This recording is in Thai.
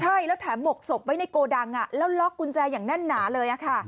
ใช่แล้วแถมหมกศพไว้ในโกดังแล้วล็อกกุญแจอย่างแน่นหนาเลยค่ะ